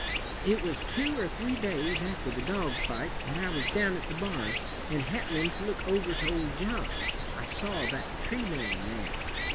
"It was two or three days after the dog fight that I was down at the barn, and happenin' to look over to old John's, I saw that tree man there.